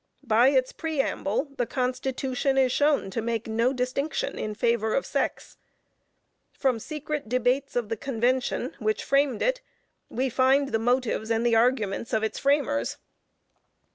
By its Preamble, the Constitution is shown to make no distinction in favor of sex. From secret debates of the convention which framed it, we find the motives and the arguments of its framers.